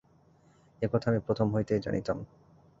এ কথা আমি প্রথম হইতেই জানিতাম।